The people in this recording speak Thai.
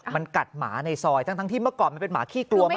มันกัดหมาในซอยทั้งที่เมื่อก่อนมันเป็นหมาขี้กลัวมาก